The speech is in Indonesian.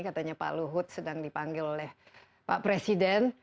katanya pak luhut sedang dipanggil oleh pak presiden